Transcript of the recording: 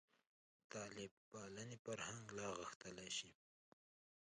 طالب پالنې فرهنګ لا غښتلی شي.